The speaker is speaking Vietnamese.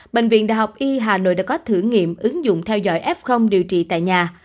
bệnh viện đh y hà nội đã có thử nghiệm ứng dụng theo dõi f điều trị tại nhà